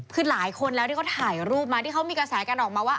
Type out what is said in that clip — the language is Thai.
คือหลายคนแล้วที่เขาถ่ายรูปมาที่เขามีกระแสกันออกมาว่า